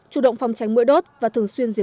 chủ động phòng tránh mũi đốt và thường xuyên diễn ra